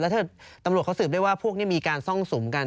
ถ้าตำรวจเขาสืบได้ว่าพวกนี้มีการซ่องสุมกัน